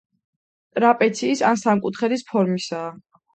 ტრაპეციის ან სამკუთხედის ფორმისაა.